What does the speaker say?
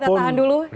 tapi kita tahan dulu